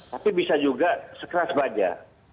tapi bisa juga sekeras baja